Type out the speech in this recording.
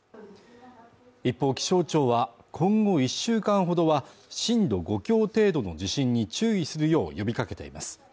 一方気象庁は今後１週間ほどは震度５強程度の地震に注意するよう呼びかけています